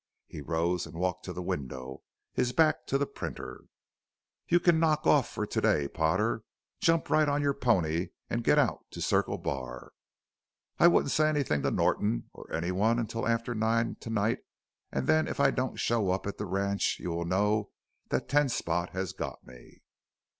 He rose and walked to the window, his back to the printer. "You can knock off for to day, Potter. Jump right on your pony and get out to Circle Bar. I wouldn't say anything to Norton or anyone until after nine to night and then if I don't show up at the ranch you will know that Ten Spot has got me."